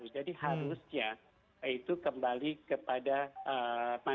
jadi harusnya itu kembali kepada manajemen